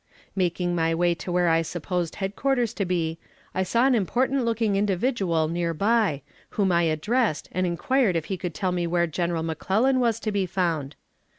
Making my way to where I supposed headquarters to be, I saw an important looking individual near by, whom I addressed, and inquired if he could tell me where General McClellan was to be found?